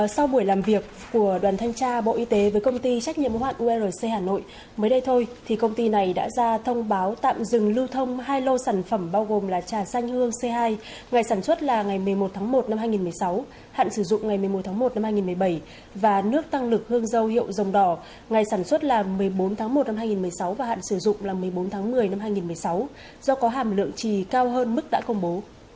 sau buổi làm việc của đoàn thanh tra bộ y tế với công ty trách nhiệm hoạn urc hà nội mới đây thôi thì công ty này đã ra thông báo tạm dừng lưu thông hai lô sản phẩm bao gồm là trà xanh hương c hai ngày sản xuất là ngày một mươi một tháng một năm hai nghìn một mươi sáu hạn sử dụng ngày một mươi một tháng một năm hai nghìn một mươi bảy và nước tăng lực hương dâu hiệu dòng đỏ ngày sản xuất là một mươi bốn tháng một năm hai nghìn một mươi sáu và hạn sử dụng là một mươi bốn tháng một mươi năm hai nghìn một mươi sáu do có hàm lượng trì cao hơn mức đã công bố